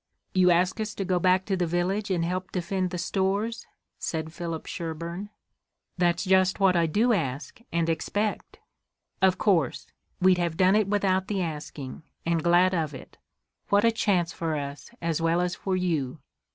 "You ask us to go back to the village and help defend the stores?" said Philip Sherburne. "That's just what I do ask and expect." "Of course. We'd have done it without the asking, and glad of it. What a chance for us, as well as for you!"